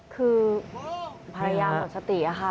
คือภรรยาหมดสติค่ะ